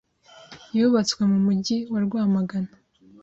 yubatswe mu Mujyi wa Rwamagana.